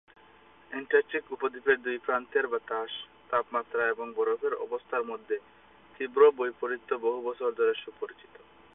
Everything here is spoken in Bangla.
অ্যান্টার্কটিক উপদ্বীপের দুই প্রান্তের বাতাস, তাপমাত্রা এবং বরফের অবস্থার মধ্যে তীব্র বৈপরীত্য বহু বছর ধরে সুপরিচিত।